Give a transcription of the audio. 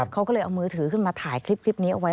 เขาก็เลยเอามือถือขึ้นมาถ่ายคลิปนี้เอาไว้